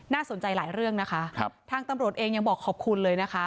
สนใจหลายเรื่องนะคะครับทางตำรวจเองยังบอกขอบคุณเลยนะคะ